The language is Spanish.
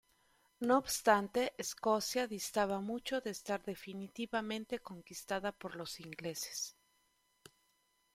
No obstante, Escocia distaba mucho de estar definitivamente conquistada por los ingleses.